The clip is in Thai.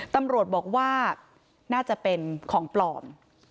ตำรวจบอกว่าน่าจะเป็นของปลอม